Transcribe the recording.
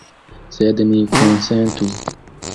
Sed ni konsentu.